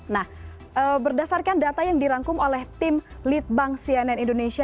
nah berdasarkan data yang dirangkum oleh tim lead bank cnn indonesia